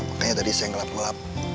makanya tadi siang gelap gelap